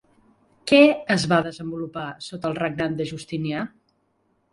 Què es va desenvolupar sota el regnat de Justinià?